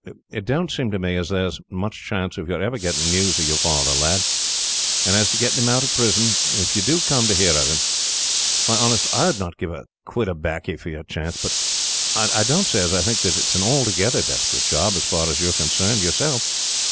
"It don't seem to me as there is much chance of your ever getting news of your father, lad; and as to getting him out of prison, if you do come to hear of him; why, honest, I would not give a quid of 'baccy for your chance; but I don't say as I think that it is an altogether desperate job, as far as you are concerned, yourself.